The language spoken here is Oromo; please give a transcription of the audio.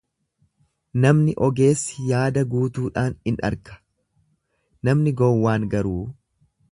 namni ogeessi yaada guutuudhaan in arga, namni gowwaan garuu,